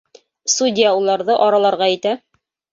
Судья уларҙы араларға итә